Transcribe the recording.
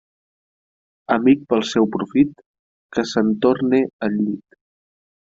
Amic pel seu profit, que se'n torne al llit.